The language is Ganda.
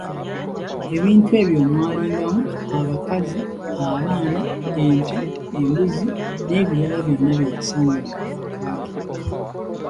"Ebintu ebyo mwalingamu: abakazi, abaana, ente, embuzi n’ebirala byonna bye yasanganga mu maka ge."